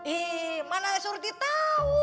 ih mana surti tau